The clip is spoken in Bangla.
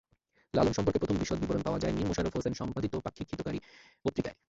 লালন সম্পর্কে প্রথম বিশদ বিবরণ পাওয়া যায় মীর মশাররফ হোসেন-সম্পাদিত পাক্ষিক হিতকরী পত্রিকায়।